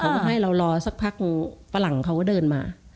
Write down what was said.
เขาก็ให้เรารอสักพักฝรั่งเขาก็เดินมา